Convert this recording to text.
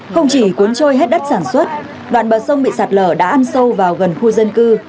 không chỉ cuốn trôi hết đất sản xuất đoạn bờ sông bị sạt lở đã ăn sâu vào gần khu dân cư